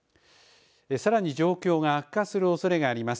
さらに状況が悪化するおそれがあります。